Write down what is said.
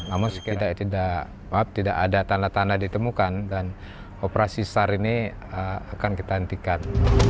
namun tidak ada tanda tanda ditemukan dan operasi sar ini akan kita hentikan